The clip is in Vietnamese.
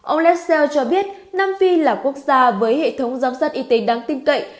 ông lesseel cho biết nam phi là quốc gia với hệ thống giám sát y tế đáng tin cậy